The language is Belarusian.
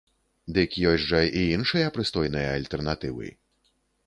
Дык ёсць жа і іншыя прыстойныя альтэрнатывы!